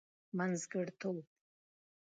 منځګړتوب.